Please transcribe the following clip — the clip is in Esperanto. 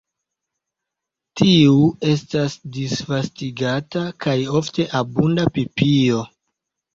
Tiu estas disvastigata kaj ofte abunda pipio.